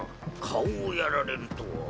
顔をやられるとは。